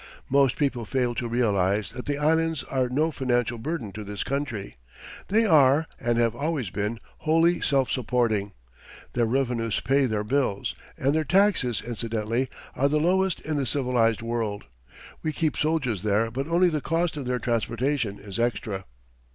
Most people fail to realize that the Islands are no financial burden to this country. They are, and have always been, wholly self supporting. Their revenues pay their bills, and their taxes, incidentally, are the lowest in the civilized world. We keep soldiers there but only the cost of their transportation is extra.